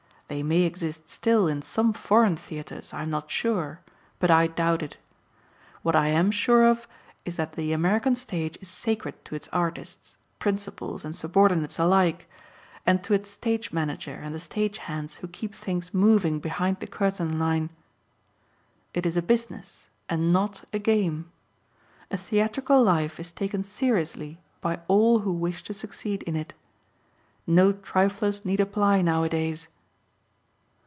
They may exist still in some foreign theatres, I am not sure but I doubt it. What I am sure of is that the American stage is sacred to its artists, principals and subordinates alike, and to its stage manager and the stage hands who keep things moving behind the curtain line. It is a business and not a game. A theatrical life is taken seriously by all who wish to succeed in it. No triflers need apply nowadays.